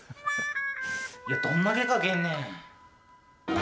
いや、どんだけかけんねん。